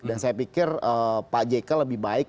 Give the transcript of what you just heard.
dan saya pikir pak jk lebih baik